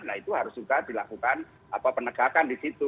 nah itu harus juga dilakukan penegakan di situ